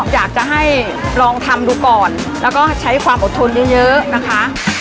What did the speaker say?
อยากจะให้ลองทำดูก่อนแล้วก็ใช้ความอดทนเยอะนะคะ